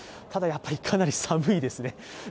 ただやっぱり、かなり寒いですね。